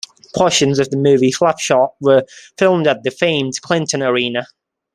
Portions of the movie "Slap Shot" were filmed at the famed Clinton Arena.